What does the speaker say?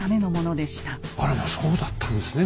あらまそうだったんですね